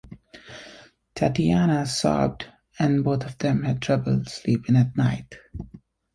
Tatiana sobbed and both of them had trouble sleeping that night.